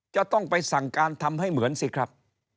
จะต้องไปสั่งการทำให้เหมือนสิครับ